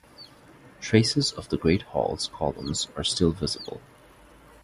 Traces of the great hall's columns are still visible.